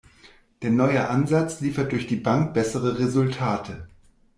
Der neue Ansatz liefert durch die Bank bessere Resultate.